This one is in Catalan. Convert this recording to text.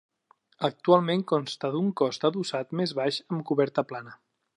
Actualment consta d'un cos adossat, més baix, amb coberta plana.